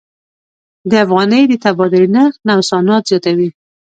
د افغانۍ د تبادلې نرخ نوسانات زیاتوي.